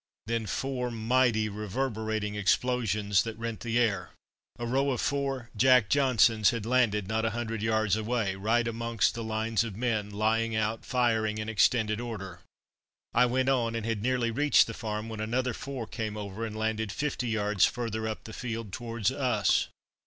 Then four mighty reverberating explosions that rent the air. A row of four "Jack Johnsons" had landed not a hundred yards away, right amongst the lines of men, lying out firing in extended order. I went on, and had nearly reached the farm when another four came over and landed fifty yards further up the field towards us.